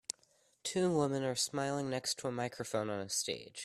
Two women are smiling next to a microphone on a stage.